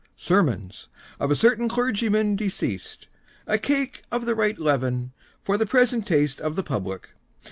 sermons, of a certain clergyman deceased; a cake of the right leaven, for the present taste of the public.